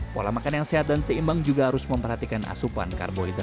pola makan yang sehat dan seimbang juga harus memperhatikan asupan makanan dengan gizi seimbang